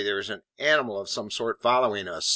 there is an animal of some sort following us.